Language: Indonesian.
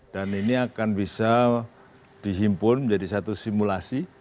dan ini akan bisa dihimpun menjadi satu simulasi